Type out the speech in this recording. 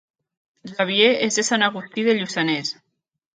Javier és de Sant Agustí de Lluçanès